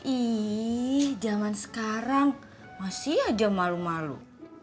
ini zaman sekarang masih aja malu malu